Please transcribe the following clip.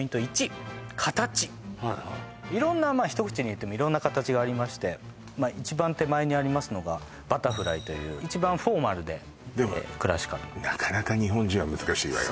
色んな一口に言っても色んな形がありましてまあ一番手前にありますのがバタフライという一番フォーマルでクラシカルななかなか日本人は難しいわよ